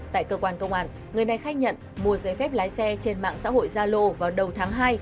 tại cơ quan công an người này khách nhận mua giấy phép lái xe trên mạng xã hội zalo vào đầu tháng hai